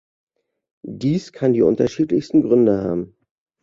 Dies kann die unterschiedlichsten Gründe haben.